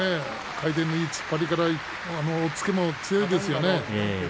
回転のいい突っ張りから押っつけも強いですよね。